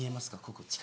ここ。